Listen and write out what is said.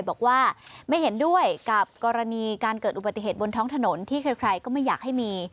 บอกว่าไม่เห็นด้วยกับกรณีการเกิดอุบัติเหตุบนท้องถนนที่ใครก็ไม่อยากให้มี